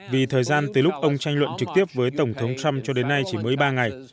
vì thời gian tới lúc ông tranh luận trực tiếp với tổng thống trump cho đến nay chỉ mới ba ngày